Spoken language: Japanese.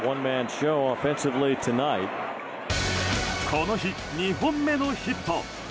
この日、２本目のヒット！